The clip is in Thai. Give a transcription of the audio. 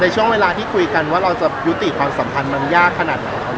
ช่วงเวลาที่คุยกันว่าเราจะยุติความสัมพันธ์มันยากขนาดไหนครับ